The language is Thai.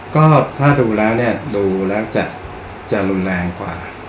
ก็ถ้าดูแล้วเนี่ยดูแล้วจะรุนแรงกว่า